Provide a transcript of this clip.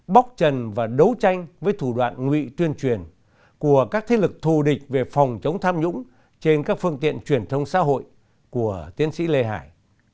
bóc trần và đấu tranh với thủ đoạn ngụy tuyên truyền của các thế lực thù địch về phòng chống tham nhũng trên các phương tiện truyền thông xã hội của tiến sĩ lê hải